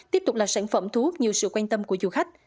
tiếp tục là sản phẩm thu hút nhiều sự quan tâm của du khách